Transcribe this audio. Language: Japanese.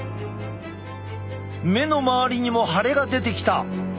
目の周りにも腫れが出てきた。